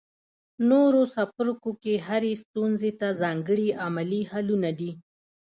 نورو څپرکو کې هرې ستونزې ته ځانګړي عملي حلونه دي.